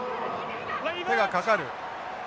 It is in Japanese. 手がかかる。